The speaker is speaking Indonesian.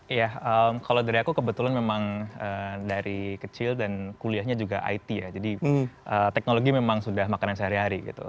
iya kalau dari aku kebetulan memang dari kecil dan kuliahnya juga it ya jadi teknologi memang sudah makanan sehari hari gitu